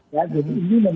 ya jadi ini menurut saya